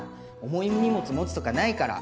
重い荷物持つとかないから。